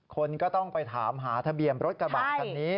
คนก็ต้องไปถามหาทะเบียนรถกระบะคันนี้